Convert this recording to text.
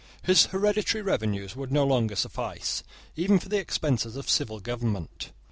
His hereditary revenues would no longer suffice, even for the expenses of civil government.